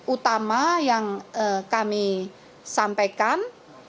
utama yang kami sampaikan